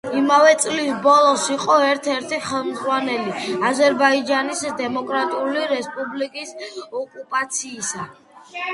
იმავე წლის ბოლოს იყო ერთ-ერთი ხელმძღვანელი აზერბაიჯანის დემოკრატიული რესპუბლიკის ოკუპაციისა.